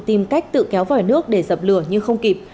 tìm cách tự kéo vòi nước để dập lửa nhưng không kịp